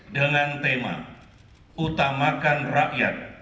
dengan tema utamakan rakyat